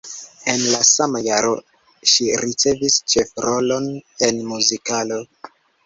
En la sama jaro ŝi ricevis ĉefrolon en muzikalo.